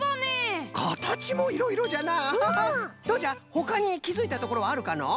ほかにきづいたところはあるかのう？